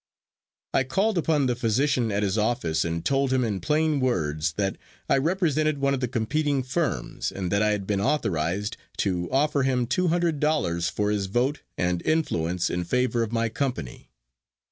I called upon the physician at his office and told him in plain words that I represented one of the competing firms and that I had been authorized to offer him two hundred dollars for his vote and influence in favor of my company.